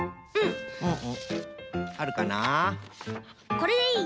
これでいい？